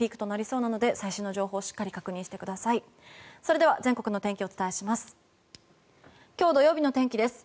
それでは、全国の天気をお伝えします。